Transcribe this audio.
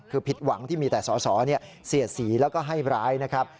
คือผิดหวังที่มีแต่สอสอเสียดสีแล้วก็ให้ร้ายนะครับ